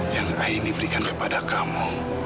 yang akhirnya diberikan kepada kamu